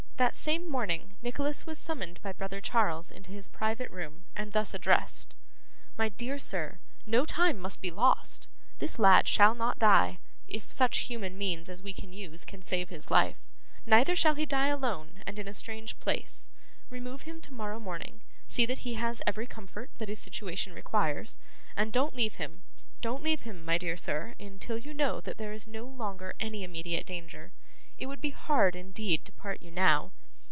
That same morning, Nicholas was summoned by brother Charles into his private room, and thus addressed: 'My dear sir, no time must be lost. This lad shall not die, if such human means as we can use can save his life; neither shall he die alone, and in a strange place. Remove him tomorrow morning, see that he has every comfort that his situation requires, and don't leave him; don't leave him, my dear sir, until you know that there is no longer any immediate danger. It would be hard, indeed, to part you now.